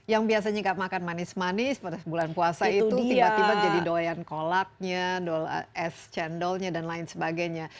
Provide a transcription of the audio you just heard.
yang biasanya gak makan manis manis pada bulan puasa itu tiba tiba jadi doyan kolaknya es cendolnya dan lain sebagainya